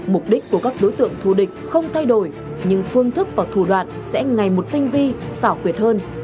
mục đích của các đối tượng thù địch không thay đổi nhưng phương thức và thủ đoạn sẽ ngày một tinh vi xảo quyệt hơn